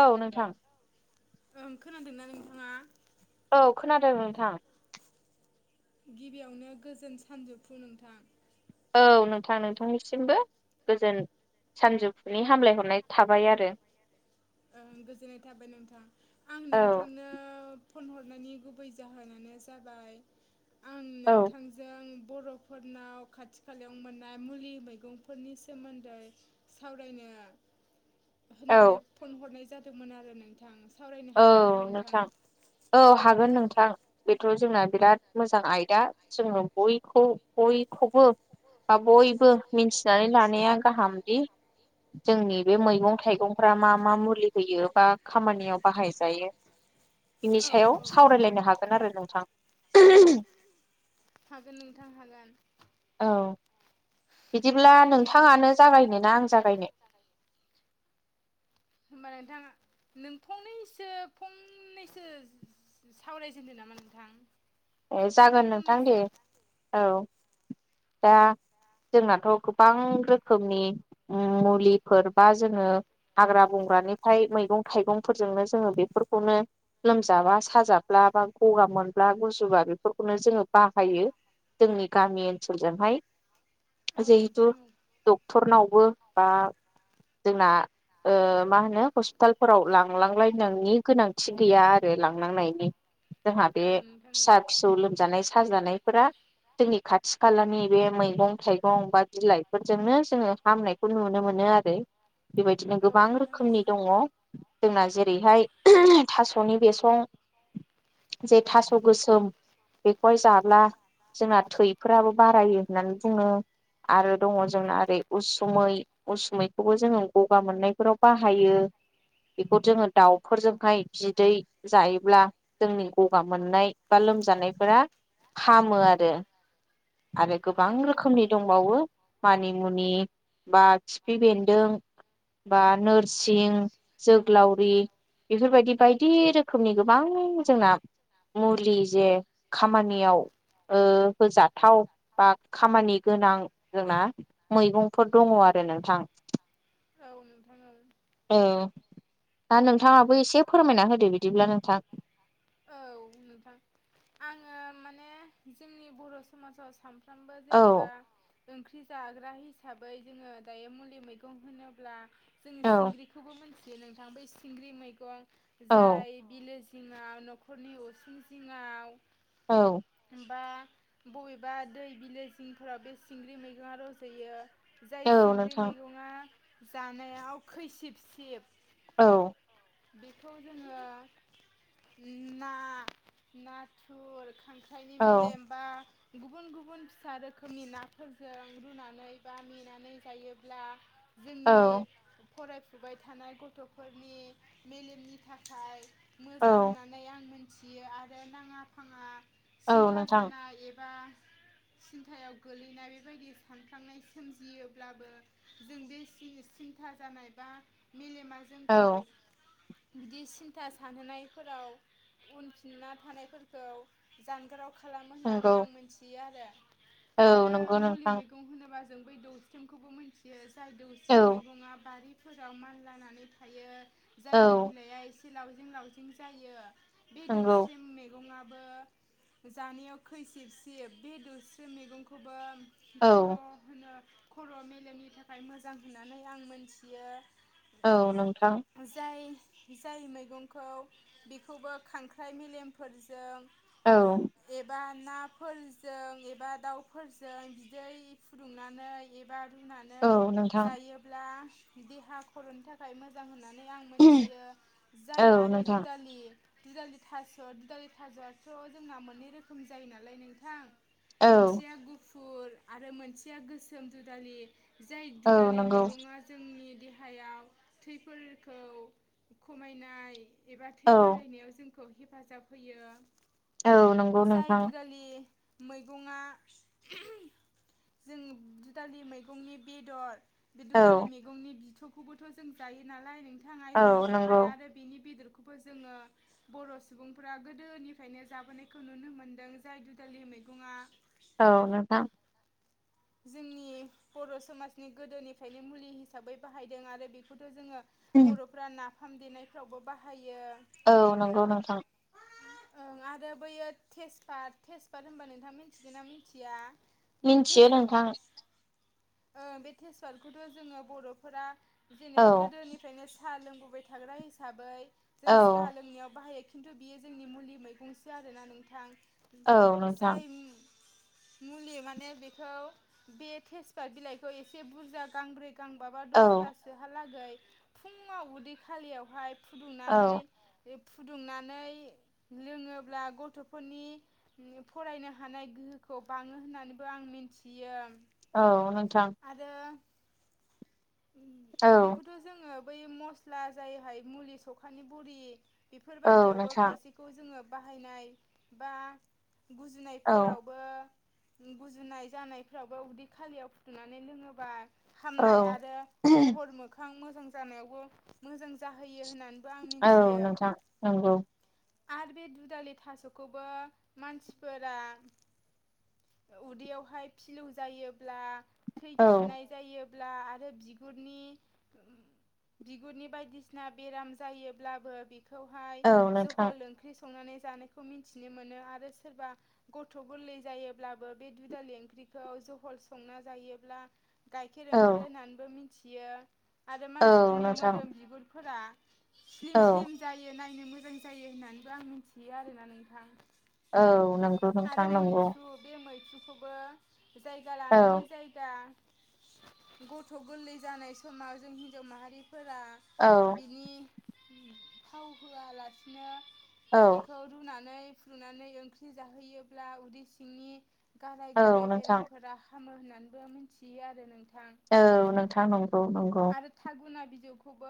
औ नोंथां। ओ खोनादोंना नोंथाङा? औ खोनादों नोंथां। गिबियावनो गोजोन सानजोबफु नोंथां। औ नोंथां नोंथांनिसिमबो गोजोन सानजौफुनि हामलाय हरनाय थाबाय आरो ओं गोजोननाय थाबाय नोंथां आं नोंथांनो फन हरनायनि गुबै जाहोनानो जाबाय आं नोंथांजों बरफोरनाव खाथि खालायाव मोननाय मुलि मैगंफोरनि सोमोन्दै सावरायनो होनना होननानै फन हरनाय जादोंमोन आरो नोंथां। औ नोंथां औ हागोन नोंथां बेथ जोंना बिराद मोजां आयदा जोंनो बयखौ बयखौबो बा बयबो मिथिनानै लानाया गाहामदि। जोंनि बे मैगं थाइगंफ्रा मा मा मुलि होयो बा खामानियाव बाहायजायो बिनि सायाव सावरायलायनो हागोन आरो नोंथां। [unintelligible] हागोन नोंथां हागोन। औ बिदिब्ला नोंथाङानो जागायनो ना आं जागायनो? होमबा नोंथाङा नों फंनैसो फंनैसो सावरायजेनदो नामा नोंथां। ए जागोन नोंथां दे औ दा। जोंनाथ गोबां रोखोमनि मुलिफोर बा जोङो हाग्रा बं ग्रानिफ्राय मैगं थाइगंफोरजोंनो जोङो बेफोरखौनो लोमजाबा साजाब्ला बा गगा मोनब्ला गुजु बा बेफोरखौनो जोङो बाहायो जोंनि गामि ओनसोलजोंहाय जिहेथु डक्टरनावबो बा जोंना ओ मा होनो हस्पिटालफोराव लांलांलायनायनि गोनांथि गैया आरो लांनांनायनि औ नोंथां नंगौ। फिसौ लोमजानाय साजानायफोरा जोंनि खाथि खालानि बे मैगं थाइगं बा बिलाइफोरजोंनो जोङो फाहामनायखौ नुनो मोनो आरो बेबायदिनो गोबां रोखोमनि दङ। जोंना जेरैहाय थासनि बेसं जे थास गोसोम बेखौहाय जाब्ला जोंना थैफोराबो बारायो होननानै बुङो। आरो दङ जोंना ओरै उसुमै उसुमैखौबो जोङो गगा मोननायफोराव बाहायो। बेखौ जोङो दाउफोरजोंहाय बिदै जायोब्ला जोंनि गगा मोननाय बा लोमजानायफोरा हामो आरो आरो गोबां रोखोमनि दंबावो। मानिमुनि बा खिफि बेन्दों बा नोरसिं जोग्लावरि बेफोरबायदि बायदि रोखोमनि गोबां जोंना मुलि जे खामानियाव ओ होजाथाव बा खामानि गोनां जोंना मैगंफोर दङ। आरो नोंथां। औ नोंथां औ औ दा नोंथाङाबो एसे फोरमायना होदो बिदिब्ला नोंथां औ नोंथां आङो मा [unintelligible] ने जोंनि बर' समाजाव सामफ्रोमबो जेनेबा ओंख्रि जाग्रा हिसाबै जोङो दायो मुलि मैगं होनोब्ला जों सिंग्रिखौबो मोनथियो नोंथां बै सिंग्रि मैगं जाय बिलोज जिङाव न'खरनि उसुं जिङाव बा बबेबा दै बिलो जिंफोराव बे सिंग्रि मैगङा रज'यो‌। जाय सिंग्रि मेगङा जानायाव खैसिब सिब औ बेखौ जोङो ना नाथुर खांख्राइनि मेलेम बा गुबुन गुबुन फिसा रोखोमनि नाफोरजों रुनानै बा मेनानै जायोब्ला औ फरायफुबाय थानाय गथ'फोरनि मेलेमनि थाखाय मोजां होननानै आं मोनथियो आरो नाङा फाङा सिन्था जानाय एबा सिन्थायाव गोलैनाय बेबायदि सानख्लांनाय सोमजियोब्लाबो जों बे [unintelligible] [unintelligible] जानायबा मेलेमा औ बिदि सिन्था सानहोनायफोराव उनफिनना थानायफोरखौ जानगाराव खालामो होननानै आं मोनथियो आरो मुलि मैगं होनोबा ज जों बै दौस्रेमखौबो मोनथियो जाय दौस्रेम मैगङा बारिफोराव मानलानानै जायनि बिलाइआ एसे लावजें लावजें जायो बे दौसिम मेगङा बो जानायाव खैसिब सिब बे दोस्रि मैगंखौबो खर' होनो खर' मेलेमनि थाखाय मोजां होननानै आं मोनथियो। औ नोंथां। जाय मैगंखौ बेखौबो खांख्राइ मेलेमफोरजों औ। नाफोरजों एबा दाउफोरजों बिदै फुदुंनानै एबा रुनानै जायोब्ला देहा खर'नि थाखाय मोजां होननां [unintelligible] आं मोनथियो जाय आरो दुदालि दुदालि थास' दुदालि थास'आथ' जोंना मोननै रोखोमनि जायो नालाय नोंथां। मोनसेया गुफुर आरो मोनसेया गोसोम दुदालि जाय दुदालि मेगङा जोंनि देहायाव थैफोरखौ खमायनाय एबा थै बारायनायाव जोंख खौ हेफाजाब होयो जाय दुदालि मैगङा [unintelligible] जों दुदालि मैगंनि बेदर बे दुदालि मैगंनि बिथुब जों जायो नालाय नोंथां आइरननि थाखाय आरो बेनि बेदरख [unintelligible] खौबो जोङो बर' सुबुंफोरा गोदोनिफ्रायनो जाबोनायखौ नुनो मोनदों जाय दुदालि मे [unintelligible] गंआ औ नोंथां। जोंनि बर' समाजनि गोदोनिफ्रायनो मुलि हिसाबै बाहायदों आरो बेखौथ' जोङो बर'फ्रा नाफाम देनायफ्रावबो बाहाय औ नंगौ नोंथां। ओं आरो बैयो थेजपात थेजपात होनबा नोंथाङा मिनथियोना मिनथिया मिन्थियो नोंथां। ओ बे थेसफातखौथ' जोङो बर'फोरा जेनेबा गोदोनिफ्रायनो स साहा लोंबोबाय थाग्रा हिसाबै जों साहा लोंनायाव बाहायो [unintelligible] खिन्थु बियो जोंनि मुलि मैगंसो आरोना नोंथां जायम मुलि माने बेखौ बे थेसफात बिलाइखौ एसे बुरजा गांब्रै गांबाबा दसथासोहालागै फुङाव उदै खालियावहाय फुदुंनानै [unintelligible] फुदुंनानै लोङोब्ला गथ'फोरनि फरायनो उम हानाय गोहोख खौ बाङो होननानैबो आं मिनथियो। औ नोंथां। बेखौथ' जोङो बै मस्ला जायहाय मुलि सखानि बरि बेफोर बायदियावबो खायसेखौ जोङो बाहायनाय बा गुजुनाय फोरावबो गुजुनाय जानायफ्रावबो उदै खालियाव फुदुंनानै लोङोबा हामनाय आरो महर मोखां मोजां जानायावबो मोजां जाहो [unintelligible] औ नोंथां नोंगौ। आर बे दुदालि थास'खौबो मानसिफोरा उदैयावहाय फिलौ जायोब्ला थै खिनाय जायो [unintelligible] ब्ला आरो बिगुरनि [unintelligible] बिगुरनि बायदिसिना बेराम जायोब्लाबो बेखौहाय जहल ओंख्रि स संनानै जानायखौ मिनथिनो मोनो आरो सोरबा गथ' गोरलै जायोब्लाबो बे दुदालि ओंख्रि खौ जहल संना जायोब्ला गाइखेर ओंखारो होननानैबो मिनथियो। आरो मानसिफोरनि मोदोम बिगुरफोरा स्लिम स्लिम जायो नायनो मोजां जायो होननानैबो आं मिनथियो आरोना नोंथां। औ नोंगौ नोंथां नोंगौ। खौबो जायगा लानानै जायगा गथ' गोल्लै जानाय समाव जों हिनजाव माहारि फोरा बिनि थाव होआलासिनो बेखौ रुनानै फुदुंनानै ओंख्रि जाहोयोब्ला उदै सिंनि गाराय गुराय बेरामफोरा हामो होननानैबो मिनथियो आरो नोंथ औ नोंथां नंगौ नंगौ। खौबो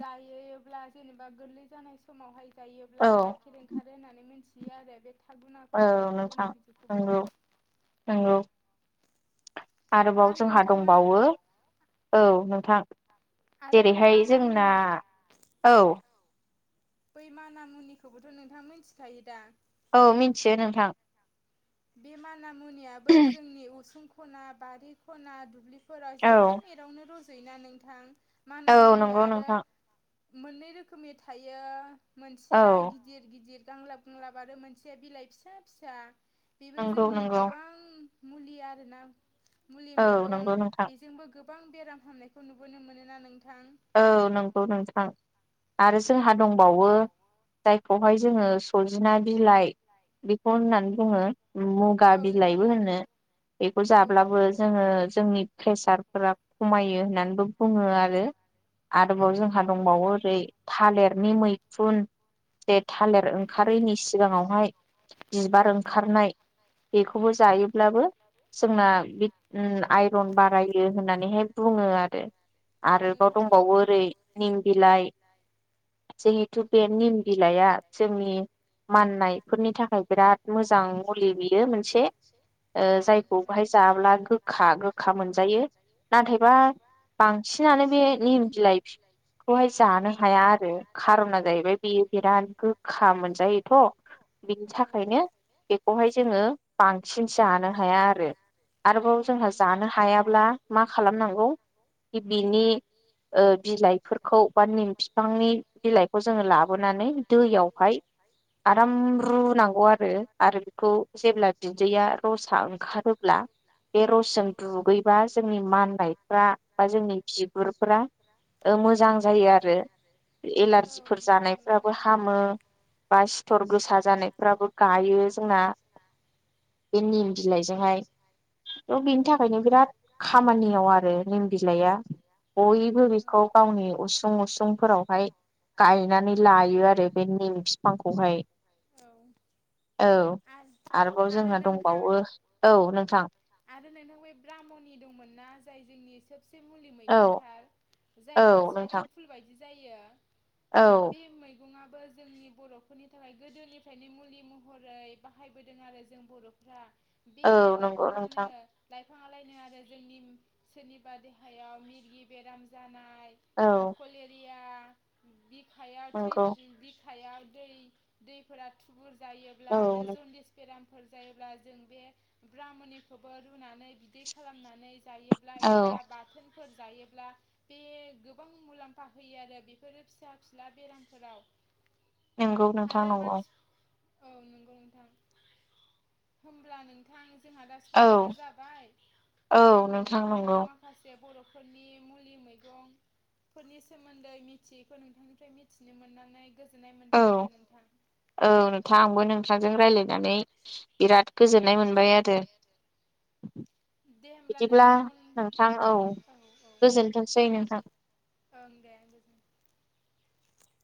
जायोब्ला जेनेबा गोरलै जानाय समावहाय जायोब्ला गाइखेर ओंखारो होननानै मिनथियो आरो बे थागुनाखौबो थागुना बिजौखौबो नोंगौ। आरोबाव जोंहा दंबावो औ नोंथां। जेरैहाय जोंना औ बै माना मुनिखौबोथ' नोंथांङा मिनथिखायो दा औ मिनथियो नोंथां। बे माना मुनियाबो जोंनि उसुं ख'ना बारि खना दुब्लि फोराव जेराव मेरावनो रज'योना नोंथां? औ नंगौ नोंथां। मोननै रोखोमनि थायो मोनसेया गिदिर गिदिर गांलाब गुंलाब आरो मोनसे बिलाइ फिसा फिसा बेबो जोंनि गोबां मुलि आरोना मुलि मैगं बेजोंबो गोब बां बेराम हामनायखौ नुबोनो मोनोना नोंथां? औ नंगौ नोंथां आरो जोंहा दंबावो जायखौहाय जोङो सजिना बिलाइ बेखौ होननानै बुङो। मुगा बिलाइबो होनो बेखौ जाब्लाबो जोङो जोंनि फ्रेसारफोरा खमायो होननानैबो बुङो आलो आरोबाव जोंहा दंबावो ओरै थालेरनि मैखुन [unintelligible] थालिर ओंखारैनि सिगाङावहाय बिबार ओंखारनाय बेखौबो जायोब्लाबो जोंना बे उम आइरन बारायो होननानैहाय बुंङो आरो आरोबाव दंबावो ओरै निम बिलाइ जेहेथु बे निम बिलाइया जोंनि माननायफोरनि थाखाय बिराद मोजां मुलि बियो मोनसे ओ जायखौ बहाय जाब्ला गोखा गोखा मोनजायो नाथायबा बांसिनानो बे निम बिलाइ फि खौहाय जानो हाया आरो खार ना जाहैबाय बेयो बे गोखा मोनजायोथ बिनि थाखायनो बेखौहाय जोंङो बां सिन जानो हाया आरो आरोबाव जोंहा जानो हायाब्ला मा खालामनांगौ बिनि ओ बिलाइफोरखौ बा निम बिफांनि बिलाइखौ जोंङो लाबोनानै दैयावहाय आराम रुनांगौ आरो आरो बेखौ जेब्ला बिदैया रसा ओंखारोब्ला बे रसजों दुगैबा जोंनि माननायफ्रा बा जोंनि बिगुर फोरा ओ मोजां जायो आरो एलारजिफोर जानायफ्राबो हामो बा सिथर गोसा जानायफ्राबो गायो जोंना बे निम बिलाइजोंहाय थ' बिनि थाखायनो बिराद खामानियाव आरो निम बिलाइआ बयबो बेखौ गावनि उसुं उसुंफोरावहाय गायनानै लायो आरो बे निम फिफांखौहाय औ आरोबाव जोंहा दंबावो औ आरो नोंथां बै ब्राह्मनि दंमोनना जाय जोंनि से मुलि मैगंथार जाय दाउस्रि आथिं फुल बायदि जायो बे मै गङाबो जोंनि बर'फोरनि थाखाय गोदोलिफ्रायनो मुलि महरै बाहायबोदों आरो जों बर'फ्रा बे लाइ अ नोंथां फाङालायनो आरो जों निम सोरनिबा देहायाव मिरगि बेराम जाना खलेरि खायाव थैथिं बिखायाव दै दैफोरा थुबुर जायोब्ला आरो जन्दिस बेरामफोर जायोब्ला जों बे ब्रामुनिखौबो रुनानै बिदै खालामनानै जायोब्ला एबा बाथोन फोर जायोब्ला बे गोबां मुलाम्फा होयो आरो बेफोर फिसा फिनला बेरामफोराव नोंगौ नोंथां नंगौ औ नंगौ नोंथां होमब्ला नोंथां जोंहा दा समाबो जाबाय आं नोंथांनाव माखासे बर'फोरनि मुलि मैगं फोरनि सोमोनदै मिथियैखौ नोंथांनिफ्राय मिथिनो मोननानै औ औ नोंथां आंबो नोंथांजों रायलायनानै बिराद गोजोननाय मोनबाय आरो बिदिब्ला नोंथां औ गोजोनथोंसै नोंथां [unintelligible]